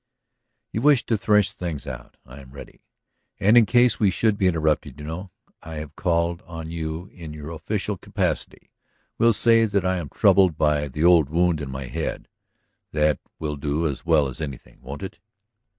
"You wished to thresh things out? I am ready. And in case we should be interrupted, you know, I have called on you in your official capacity. We'll say that I am troubled by the old wound in the head; that will do as well as anything, won't it?"